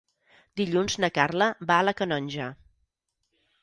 Dilluns na Carla va a la Canonja.